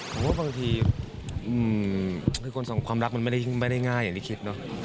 ผมว่าบางทีคือคนสองความรักมันไม่ได้ง่ายอย่างที่คิดเนอะ